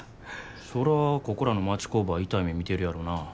そらここらの町工場は痛い目見てるやろな。